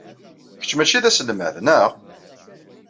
Kečč mačči d aselmad, naɣ?